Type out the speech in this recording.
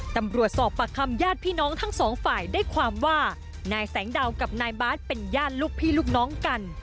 ตำรวจสอบปากคำญาติพี่น้องทั้งสองฝ่ายได้ความว่านายแสงดาวกับนายบาทเป็นญาติลูกพี่ลูกน้องกัน